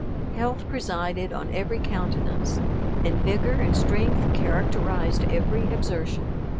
Health presided on every countenance, and vigor and strength characterized every exertion.